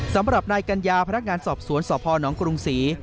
สำหรับนายกัญญาพนักงานสอบสวนสพนกรุงศรี